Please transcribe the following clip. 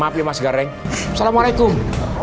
maaf ya mas gareng assalamualaikum